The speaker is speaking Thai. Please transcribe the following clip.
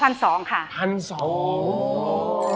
๑๒๐๐บาทครับ